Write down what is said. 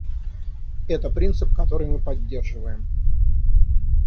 Это принцип, который мы поддерживаем.